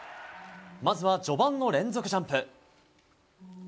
まずは序盤の連続ジャンプ。